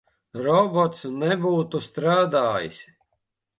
Robots nebūtu strādājis.